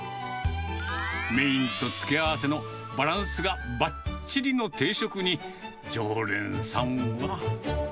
メインと付け合わせのバランスがばっちりの定食に、常連さんは。